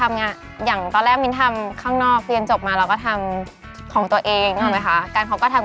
มีไม่ถึงเท่านี้แต่ว่าแบบเหมือนพอเราขายไปเรื่อยเนี่ย